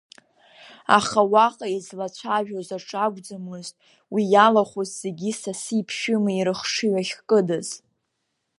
Аха уаҟа излацәажәоз аҿы акәӡамызт уи иалахәыз зегьы саси ԥшәымеи рыхшыҩ ахькыдыз.